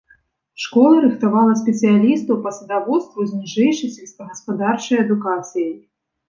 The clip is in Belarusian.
Школа рыхтавала спецыялістаў па садаводству з ніжэйшай сельскагаспадарчай адукацыяй.